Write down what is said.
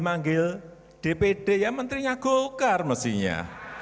dipanggil dpd ya menterinya gokar mestinya